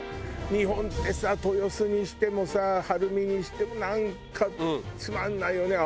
日本ってさ豊洲にしてもさ晴海にしてもなんかつまんないよね。